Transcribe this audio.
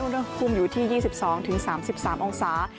อุณหภูมิอยู่ที่๒๒๓๓องศา